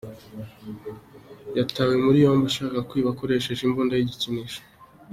Yatawe muri yombi ashaka kwiba akoresheje imbunda y’igikinisho